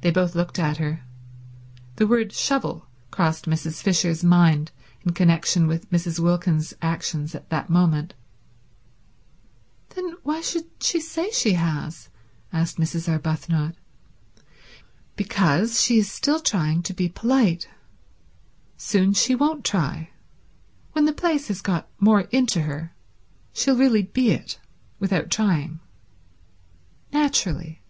They both looked at her. The word shovel crossed Mrs. Fisher's mind in connection with Mrs. Wilkins's actions at that moment. "Then why should she say she has?" asked Mrs. Arbuthnot. "Because she is still trying to be polite. Soon she won't try, when the place has got more into her—she'll really be it. Without trying. Naturally."